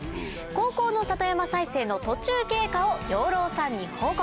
高校の里山再生の途中経過を養老さんに報告。